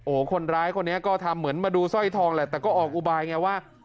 โอ้โหคนร้ายคนนี้ก็ทำเหมือนมาดูสร้อยทองแหละแต่ก็ออกอุบายไงว่า